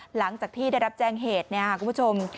หลังจากที่ได้รับแจ้งเหตุเนี่ยค่ะคุณผู้ชม